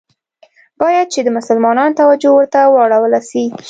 باید چي د مسلمانانو توجه ورته راوړوله سي.